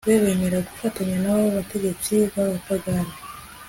be bemera gufatanya nabo bategetsi babapagani